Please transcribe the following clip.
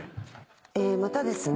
またですね。